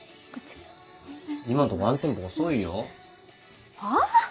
今のとこワンテンポ遅いよはぁ？